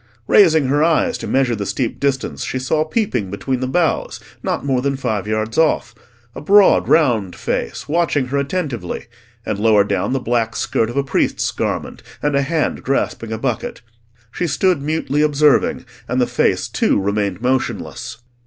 Raising her eyes to measure the steep distance, she saw peeping between the boughs, not more than five yards off, a broad round face, watching her attentively, and lower down the black skirt of a priest's garment, and a hand grasping a bucket. She stood mutely observing, and the face, too, remained motionless.